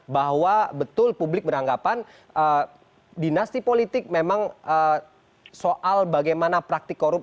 bahwa betul publik beranggapan dinasti politik memang soal bagaimana praktik korupsi